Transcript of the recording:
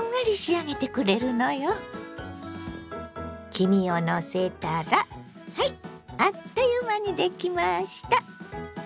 黄身をのせたらはいあっという間にできました！